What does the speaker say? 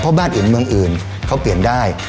เพราะบ้านอื่นเมืองอื่นเขาเปลี่ยนได้